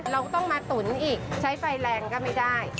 เราก็ต้องมาตุ๋นอีกใช้ไฟแรงก็ไม่ได้